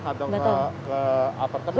atau ke apartemen